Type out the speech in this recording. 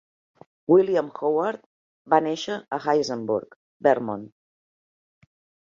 William Howard va néixer a Hinesburg, Vermont.